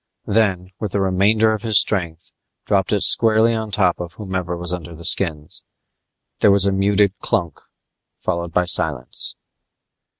Then, with the remainder of his strength, dropped it squarely on top of whomever was under the skins. There was a muted clunk followed by silence.